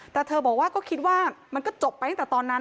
แต่เธอบอกว่าก็คิดว่ามันก็จบไปตั้งแต่ตอนนั้น